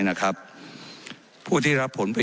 ไม่ได้เป็นประธานคณะกรุงตรี